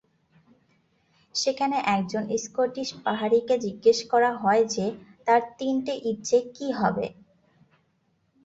সেখানে একজন স্কটিশ পাহাড়িকে জিজ্ঞেস করা হয় যে, তার তিনটে ইচ্ছা কী হবে।